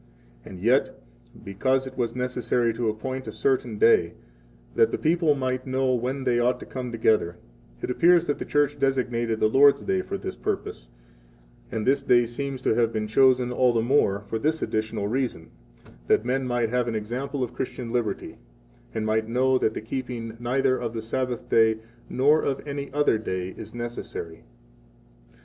And 60 yet, because it was necessary to appoint a certain day, that the people might know when they ought to come together, it appears that the Church designated the Lord's Day for this purpose; and this day seems to have been chosen all the more for this additional reason, that men might have an example of Christian liberty, and might know that the keeping neither of the Sabbath nor of any other day is necessary.